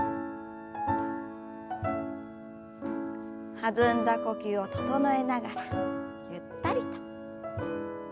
弾んだ呼吸を整えながらゆったりと。